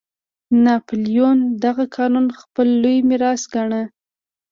ناپلیون دغه قانون خپل لوی میراث ګاڼه.